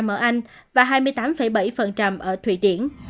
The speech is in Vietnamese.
một mươi ba bảy ở anh và hai mươi tám bảy ở thụy điển